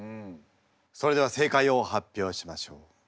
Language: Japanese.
それでは正解を発表しましょう。